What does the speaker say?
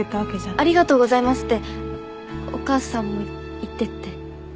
ありがとうございますってお母さんも言ってて。